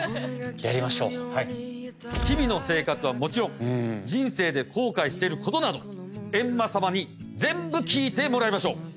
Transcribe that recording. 日々の生活はもちろん人生で後悔してることなど閻魔様に全部聞いてもらいましょう。